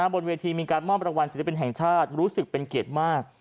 บนเวทีมีการมอบรางวัลศิลปินแห่งชาติรู้สึกเป็นเกียรติมาก